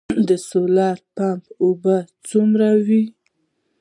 د سولر پمپ اوبه څومره وي؟